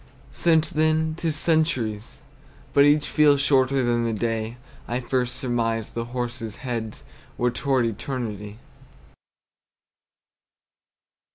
Since then 't is centuries; but each Feels shorter than the day I first surmised the horses' heads Were toward eternity.